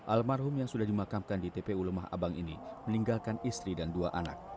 almarhum yang sudah dimakamkan di tpu lemah abang ini meninggalkan istri dan dua anak